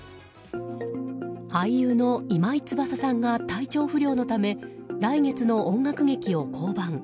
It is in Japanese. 俳優の今井翼さんが体調不良のため来月の音楽劇を降板。